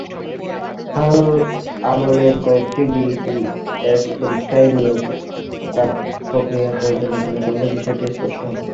হাল আমলের কয়েকটি বিসিএস পরীক্ষার নিয়োগ প্রক্রিয়া পর্যালোচনা করলে বিষয়টি স্পষ্ট হবে।